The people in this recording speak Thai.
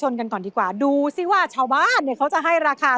ยังใส่ไม่เท่าไรให้ราคา๑๐๑